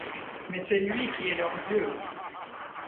Mais c’est lui qui est leur dieu !